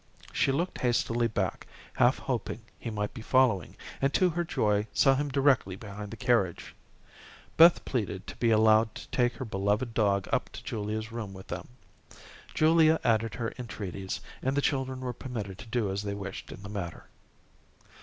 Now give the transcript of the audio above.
She looked hastily back, half hoping he might be following, and to her joy saw him directly behind the carriage. Beth pleaded to be allowed to take her beloved dog up to Julia's room with them. Julia added her entreaties, and the children were permitted to do as they wished in the matter.